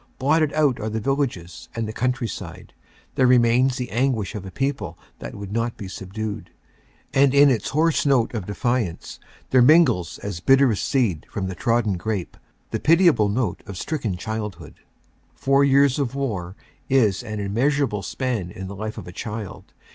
Blotted out are the village and the countryside. There remains the anguish of a people that would not be subdued. And in its hoarse note of defiance there mingles as bitterest seed from the trodden grape the piti able note of stricken childhood. Four years of war is an im measurable span in the life of a child.